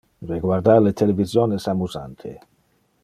Reguardar le television es amusante.